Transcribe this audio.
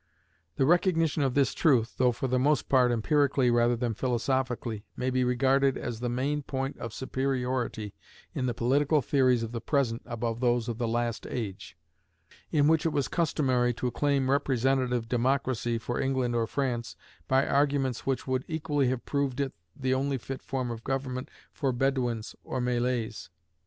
The recognition of this truth, though for the most part empirically rather than philosophically, may be regarded as the main point of superiority in the political theories of the present above those of the last age, in which it was customary to claim representative democracy for England or France by arguments which would equally have proved it the only fit form of government for Bedouins or Malays.